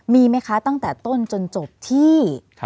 มีไหมคะตั้งแต่ต้นจนจบที่